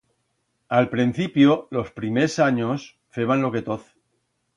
A'l prencipio, los primers anyos, feban lo que toz.